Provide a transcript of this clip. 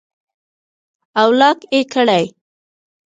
او لاک ئې کړي